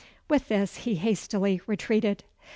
With this, he hastily retreated.